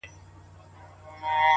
• زه به د ميني يوه در زده کړم؛